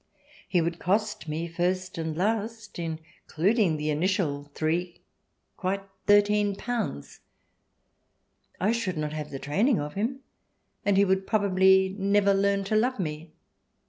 He would cost me first and last, including the initial three, quite thirteen pounds. I should not have the training of him, and he would probably never learn to love me.